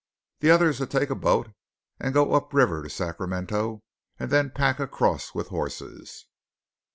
The other is to take a boat and go up river to Sacramento and then pack across with horses."